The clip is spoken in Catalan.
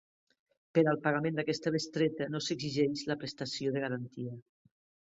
Per al pagament d'aquesta bestreta no s'exigeix la prestació de garantia.